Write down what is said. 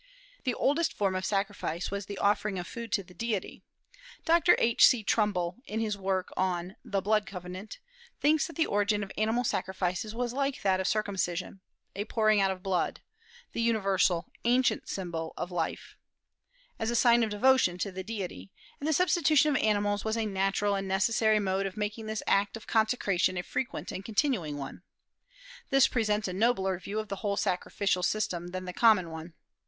The oldest form of sacrifice was the offering of food to the deity. Dr. H. C. Trumbull, in his work on "The Blood Covenant," thinks that the origin of animal sacrifices was like that of circumcision, a pouring out of blood (the universal, ancient symbol of life) as a sign of devotion to the deity; and the substitution of animals was a natural and necessary mode of making this act of consecration a frequent and continuing one. This presents a nobler view of the whole sacrificial system than the common one.